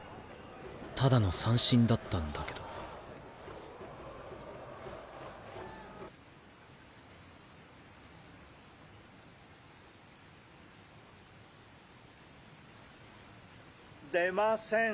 ただの三振だったんだけど。出ません！